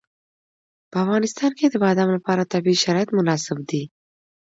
په افغانستان کې د بادام لپاره طبیعي شرایط مناسب دي.